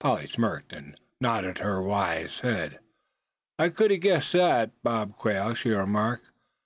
Polly smirked, and nodded her wise head. "I cud a guessed thet, Bob Quail," she remarked.